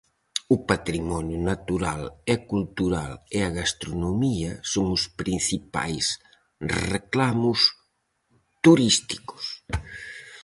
O patrimonio natural e cultural e a gastronomía son os principais reclamos turísticos.